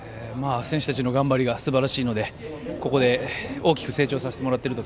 選手たちの頑張りがすばらしいのでここで大きく成長させてもらっていると